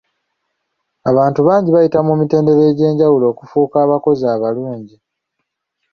Abantu bangi bayita mu mitendera egy'enjawulo okufuuka abakozi abalungi.